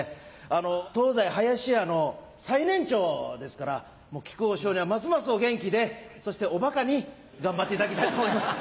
あの東西林家の最年長ですから木久扇師匠にはますますお元気でそしておバカに頑張っていただきたいと思います。